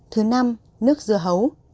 thứ năm nước dừa hấu